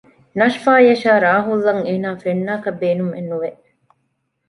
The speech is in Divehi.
ނަޝްފާ އަށާ ރާހުލްއަށް އޭނާ ފެންނާކަށް ބޭނުމެއް ނުވެ